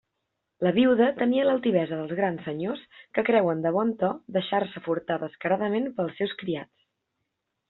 La viuda tenia l'altivesa dels grans senyors que creuen de bon to deixar-se furtar descaradament pels seus criats.